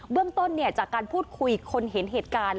เรื่องต้นจากการพูดคุยคนเห็นเหตุการณ์